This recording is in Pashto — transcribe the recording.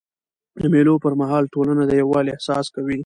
د مېلو پر مهال ټولنه د یووالي احساس کوي.